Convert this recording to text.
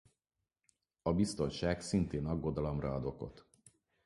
A biztonság szintén aggodalomra ad okot.